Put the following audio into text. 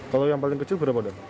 kalau yang paling kecil berapa deh